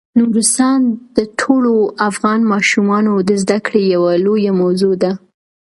نورستان د ټولو افغان ماشومانو د زده کړې یوه لویه موضوع ده.